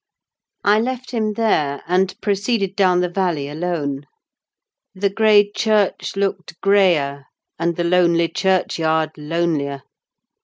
I left him there, and proceeded down the valley alone. The grey church looked greyer, and the lonely churchyard lonelier.